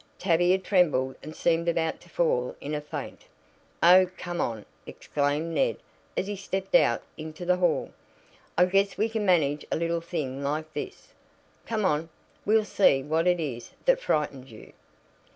Tavia trembled and seemed about to fall in a faint. "Oh, come on," exclaimed Ned as he stepped out into the hall. "I guess we can manage a little thing like this. Come on; we'll see what it is that frightened you.